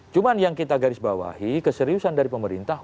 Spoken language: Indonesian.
cuma yang kita garisbawahi keseriusan dari pemerintah